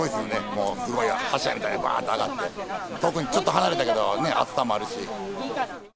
もう、すごい、柱みたいにばーって上がって、特にちょっと離れてたけど、熱さもあるし。